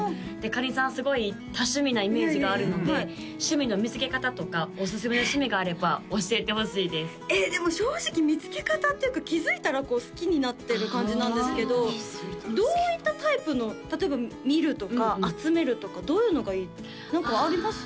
かりんさんはすごい多趣味なイメージがあるので趣味の見つけ方とかおすすめの趣味があれば教えてほしいですでも正直見つけ方っていうか気づいたらこう好きになってる感じなんですけどどういったタイプの例えば見るとか集めるとかどういうのがいいって何かあります？